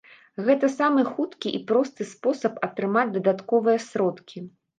Гэта самы хуткі і просты спосаб атрымаць дадатковыя сродкі.